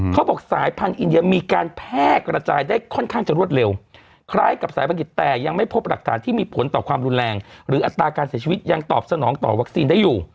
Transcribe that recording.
สายพันธุ์อินเดียมีการแพร่กระจายได้ค่อนข้างจะรวดเร็วคล้ายกับสายพันกิจแต่ยังไม่พบหลักฐานที่มีผลต่อความรุนแรงหรืออัตราการเสียชีวิตยังตอบสนองต่อวัคซีนได้อยู่